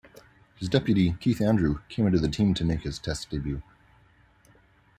His deputy, Keith Andrew, came into the team to make his Test debut.